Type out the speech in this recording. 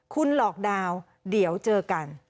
คุณหลอกดาวน์เดี๋ยวเจอกัน